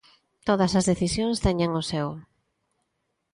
Todas as decisións teñen o seu.